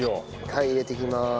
はい入れていきます。